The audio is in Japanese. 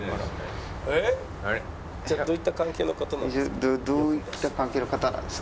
「じゃあどういった関係の方なんですか？」。